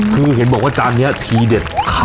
คือเห็นบอกว่าจานนี้ทีเด็ด